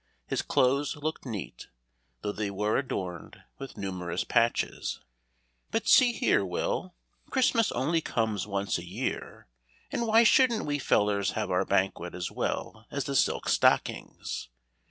His clothes looked neat, though they were adorned with numerous patches. "But see here, Will. Christmas only comes once a year, and why shouldn't we fellers have our banquet as well as the silk stockings?